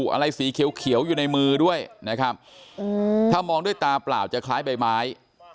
อะไรสีเขียวอยู่ในมือด้วยนะครับถ้ามองด้วยตาเปล่าจะคล้ายใบไม้